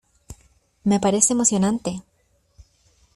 me parece emocionante,